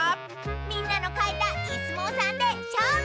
みんなのかいたイスもうさんでしょうぶ！